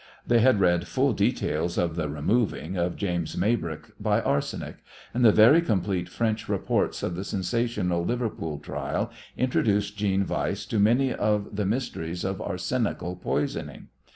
They had read full details of the "removing" of James Maybrick by arsenic, and the very complete French reports of the sensational Liverpool trial introduced Jeanne Weiss to many of the mysteries of arsenical poisoning.